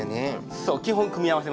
そう基本組み合わせますよね。